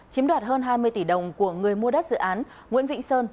chiếm đoạt hơn hai mươi tỷ đồng của người mua đất dự án nguyễn vĩnh sơn